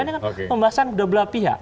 ini kan pembahasan dua pihak